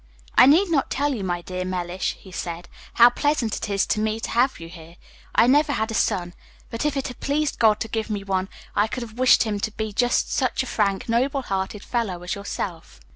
"I need not tell you, my dear Mellish," he said, "how pleasant it is to me to have you here. I never had a son; but if it had pleased God to give me one, I could have wished him to be just such a frank, noble hearted fellow as yourself.